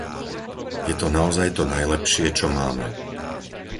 Je to naozaj to najlepšie, čo máme.